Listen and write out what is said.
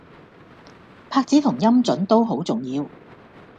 拍子同音準都好重要